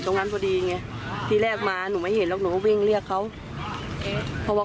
ตอนนั้นไฟกำลังคอบเลยหรือครับ